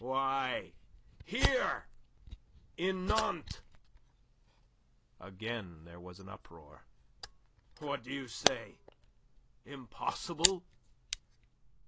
Why, here in Nantes." Again there was uproar. "What do you say? Impossible?